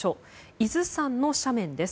伊豆山の斜面です。